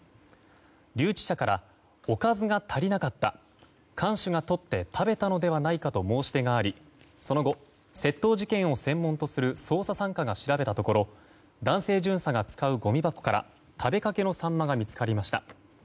留置者からおかずが足りなかった看守がとって食べたのではないかと申し出がありその後、窃盗事件を専門とする捜査３課が調べたところ男性巡査が使うごみ箱から食べかけのサンマが見つかりました。